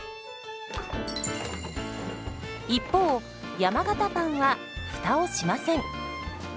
一方山型パンはフタをしません。